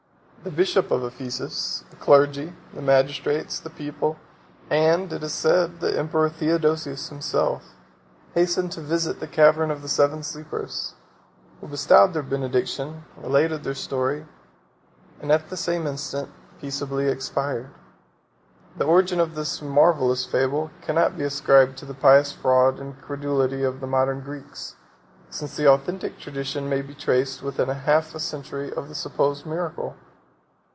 The bishop of Ephesus, the clergy, the magistrates, the people, and, as it is said, the emperor Theodosius himself, hastened to visit the cavern of the Seven Sleepers; who bestowed their benediction, related their story, and at the same instant peaceably expired. The origin of this marvellous fable cannot be ascribed to the pious fraud and credulity of the modern Greeks, since the authentic tradition may be traced within half a century of the supposed miracle.